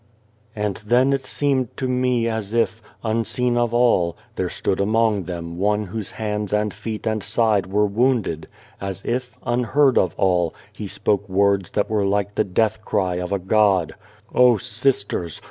And then, it seemed to me as if, unseen of all, there stood among them One whose hands and feet and side were wounded ; as if, unheard of all, He spoke words that were like the death cry of a God :" O sisters